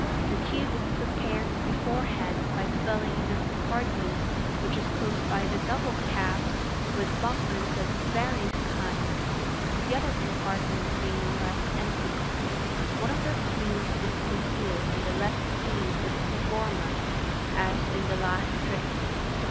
The tube is prepared beforehand by filling the compartment which is closed by the double cap with bonbons of various kinds ; the other compartment being left empty. One of the plumes is concealed in the left sleeve of the performer, as in the last trick.